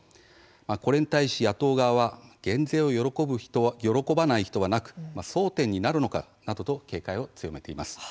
これに対し野党側は減税を喜ばない人はなく争点になるのかなどと警戒を強めています。